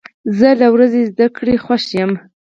زه له ورځې زده کړې خوښ یم.